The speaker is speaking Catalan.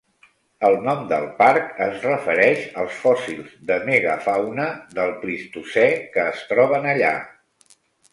El nom del parc es refereix als fòssils de megafauna del Plistocè que es troben allà.